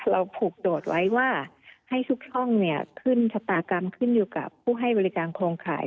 เราผูกโดดไว้ว่าให้ทุกช่องขึ้นชะตากรรมขึ้นอยู่กับผู้ให้บริการโครงข่าย